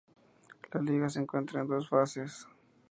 La liga se juega en dos fases.